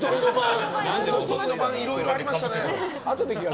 一昨日の晩いろいろありましたね。